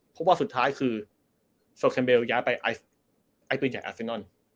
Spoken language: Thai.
เพราะว่าสุดท้ายโซเคมเบลย้ายไปไอฟินจากอัสเซนอน